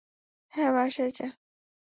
হ্যাঁ, বাসায় যা।